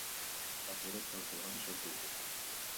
Lapurrek kalte ugari sortu dituzte.